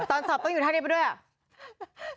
ตอนสอบต้องอยู่ท่านี้ไปด้วยอ่ะ